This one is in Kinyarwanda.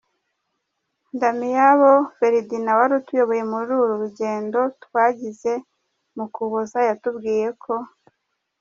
Ndamiyabo Ferdinand wari utuyoboye muri uru. rugendo twagize mu Ukuboza yatubwiye ko.